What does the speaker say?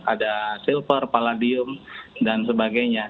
ada silver paladium dan sebagainya